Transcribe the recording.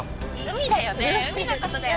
海だよね